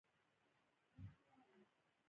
ایا زه باید ماشوم ته د غاښونو درمل ورکړم؟